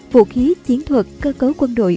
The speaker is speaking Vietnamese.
vũ khí chiến thuật cơ cấu quân đội